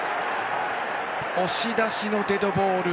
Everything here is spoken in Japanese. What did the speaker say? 押し出しのデッドボール。